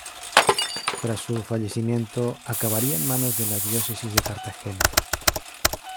Tras su fallecimiento, acabaría en manos de la diócesis de Cartagena.